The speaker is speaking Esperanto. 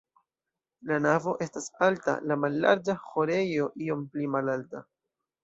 La navo estas alta, la mallarĝa ĥorejo iom pli malalta.